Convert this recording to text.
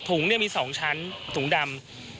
ถุงเนี่ยมี๒ชั้นถุงดำ